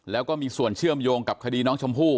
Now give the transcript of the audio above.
แล้วก็มีส่วนเชื่อมโยงกับคดีน้องชมพู่